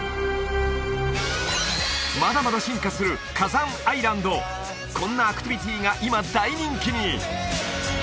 まだまだ進化する火山愛ランドこんなアクティビティが今大人気に！